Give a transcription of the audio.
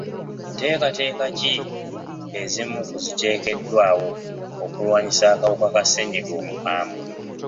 Nteekateeka ki ezimu ku ziteekeddwawo okulwanyisa akawuka ka ssenyiga omukambwe?